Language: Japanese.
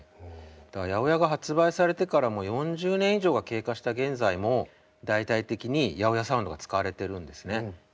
だから８０８が発売されてからもう４０年以上が経過した現在も大々的に８０８サウンドが使われてるんですね。